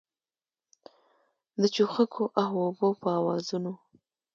د چوغکو او اوبو په آوازونو